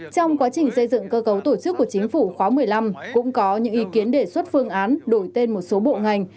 trong quá trình xây dựng cơ cấu tổ chức của chính phủ khóa một mươi năm cũng có những ý kiến đề xuất phương án đổi tên một số bộ ngành